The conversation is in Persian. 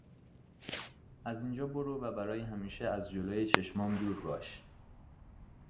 از اینجا برو و برای همیشه از جلوی چشمام دور باش